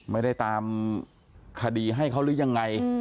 ไม่ได้ตามคดีให้เขาหรือยังไง